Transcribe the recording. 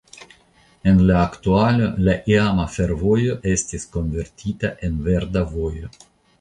En la aktualo la iama fervojo estis konvertita en verda vojo.